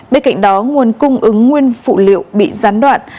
bên cạnh đó nguồn cung ứng nguyên phụ liệu bị gián đoạn